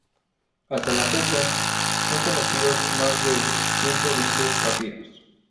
Hasta la fecha, son conocidos más de ciento veinte papiros.